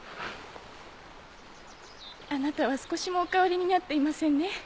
あなたは少しもお変わりになっていませんね。